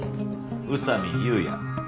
宇佐見裕也。